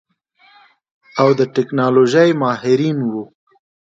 او د ټيکنالوژۍ ماهرين وو.